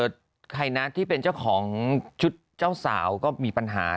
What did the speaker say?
ใครนะที่เป็นเจ้าของชุดเจ้าสาวก็มีปัญหา